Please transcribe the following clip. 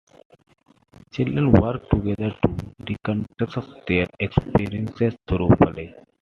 Children worked together to reconstruct their experiences through play.